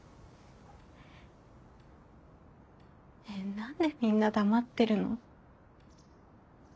ねえ何でみんな黙ってるの？